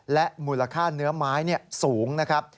และมูลค่าเนื้อไม้สูงนะครับ